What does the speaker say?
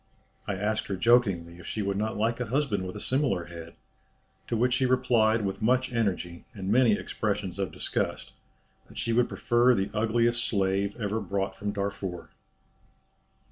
I asked her jokingly if she would not like a husband with a similar head, to which she replied with much energy, and many expressions of disgust, that she would prefer the ugliest slave ever brought from Darfur."